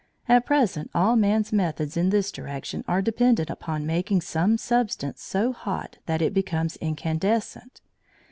At present all man's methods in this direction are dependent upon making some substance so hot that it becomes incandescent.